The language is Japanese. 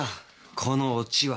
このオチは。